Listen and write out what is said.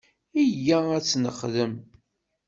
Iyya ad tt-nexdem!